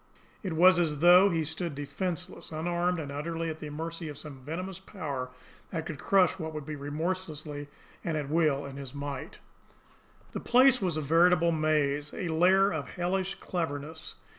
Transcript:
It was as though he stood defenceless, unarmed, and utterly at the mercy of some venomous power that could crush what it would remorselessly and at will in its might. The place was a veritable maze, a lair of hellish cleverness.